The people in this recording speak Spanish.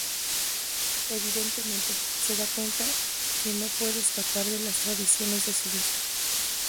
Evidentemente, se da cuenta que no puede escapar de las tradiciones de su villa.